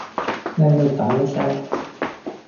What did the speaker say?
靚到丼一聲